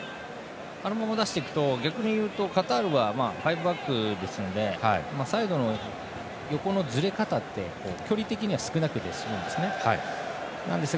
あのまま出していくとカタールはファイブバックですのでサイドの横のずれ方って距離的には少なくて済むんです。